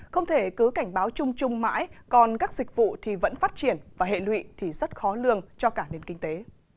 không thể cứ cảnh báo chung chung mãi còn các dịch vụ thì vẫn phát triển và hệ lụy thì rất khó lường cho cả nền kinh tế